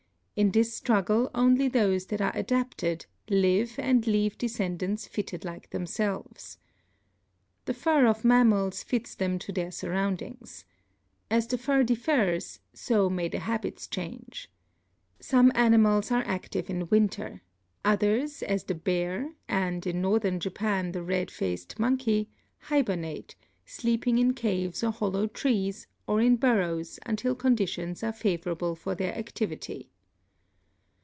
In this struggle only those that are ADAPTATION 273 adapted live and leave descendants fitted like themselves. The fur of mammals fits them to their surroundings. As the fur differs so may the habits change. Some animals are active in winter; others, as the bear, and in northern Japan the red faced monkey, hibernate, sleeping in caves or hollow trees or in burrows until conditions are favor able for their activity.